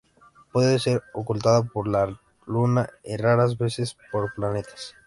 Puede ser ocultada por la Luna y raras veces por planetas.